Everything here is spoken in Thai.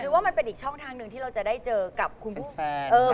คือว่ามันเป็นอีกช่องทางหนึ่งที่เราจะได้เจอกับคุณผู้แฟน